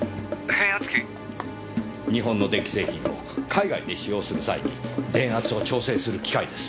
日本の電気製品を海外で使用する際に電圧を調整する機械です。